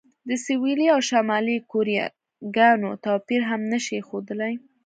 د سویلي او شمالي کوریاګانو توپیر هم نه شي ښودلی.